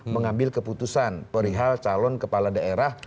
mengambil keputusan perihal calon kepala daerah